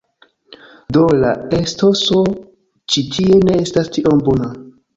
Do, la etoso ĉi tie ne estas tiom bona